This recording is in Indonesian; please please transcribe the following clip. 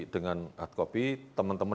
dengan hard copy teman teman